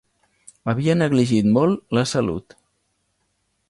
Havia negligit molt la salut.